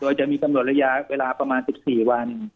โดยจะมีกำหนดระยะเวลาประมาณ๑๔วัน